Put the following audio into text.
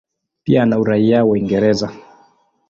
Pia ana uraia wa Uingereza.